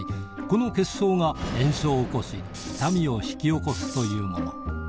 この結晶が炎症を起こし痛みを引き起こすというもの